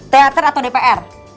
teater atau dpr